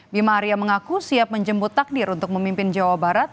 bima arya mengaku siap menjemput takdir untuk memimpin jawa barat